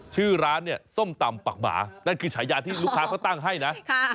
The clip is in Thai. ชื่อร้านเนี่ยส้มตำปักหมานั่นคือฉายาที่ลูกค้าเขาตั้งให้นะ